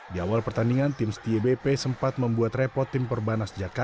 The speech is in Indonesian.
di awal pertandingan tim setia bp sempat membuat repot tim perbanas jakarta